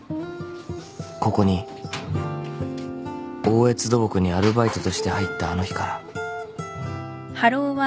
［ここに大悦土木にアルバイトとして入ったあの日から］